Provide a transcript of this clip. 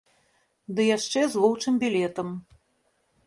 Ды яшчэ з воўчым білетам.